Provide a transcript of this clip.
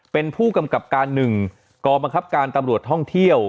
เป็นผู้กำกับการ๑กองบังคับการตำรวจท่องเที่ยว